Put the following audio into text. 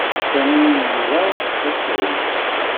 Sami ira assewlef.